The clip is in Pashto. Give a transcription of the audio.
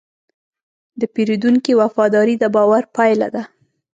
د پیرودونکي وفاداري د باور پايله ده.